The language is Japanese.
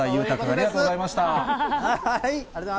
ありがとうございます。